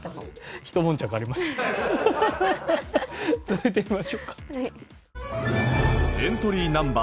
続いていきましょうか。